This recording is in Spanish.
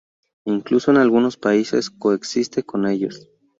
Incluso en algunos países coexiste con ellos.